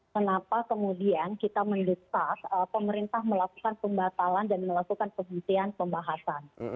kenapa kemudian kita mendesak pemerintah melakukan pembatalan dan melakukan penghentian pembahasan